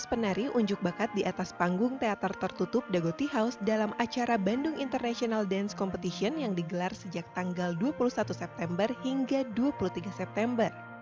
tujuh belas penari unjuk bakat di atas panggung teater tertutup dagoti house dalam acara bandung international dance competition yang digelar sejak tanggal dua puluh satu september hingga dua puluh tiga september